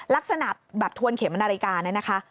ลักษณะแบบทวนเข็มนาฬิกาเนี่ยนะคะ